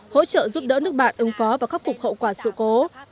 hỗ trợ giúp đỡ nước bạn ứng phó và khắc phục hậu quả sự cố